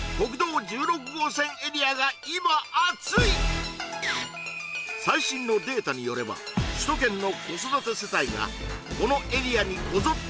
実は最新のデータによれば首都圏の子育て世帯がこのエリアにこぞって